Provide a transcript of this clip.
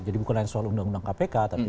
jadi bukan soal undang undang kpk tapi